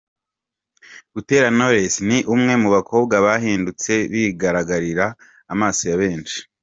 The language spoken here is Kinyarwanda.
Butera Knowless ni umwe mu bakobwa bahindutse bigaragarira amaso ya benshi.